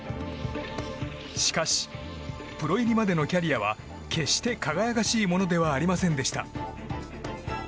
しかし、プロ入りまでのキャリアは決して輝かしいものではありませんでした。